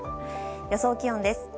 予想気温です。